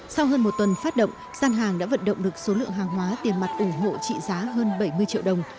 sau hơn một tuần phát động gian hàng đã vận động được số lượng hàng hóa tiền mặt ủng hộ trị giá hơn bảy mươi triệu đồng